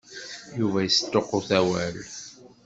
Yuba yesṭuqut awal.